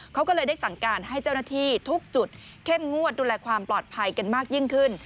เขาก็เลยได้สั่งการให้เจ้าหน้าที่ทุกจุดเข้มงวดดูแลความปลอดภัยกันมากยิ่งขึ้น